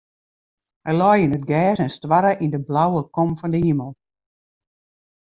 Hja lei yn it gjers en stoarre yn de blauwe kom fan de himel.